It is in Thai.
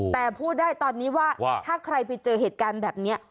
แต่พูดได้ตอนนี้ว่าถ้าใครไปเจอเหตุการณ์แบบนี้